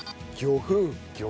魚粉。